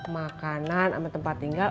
makanan sama tempat tinggal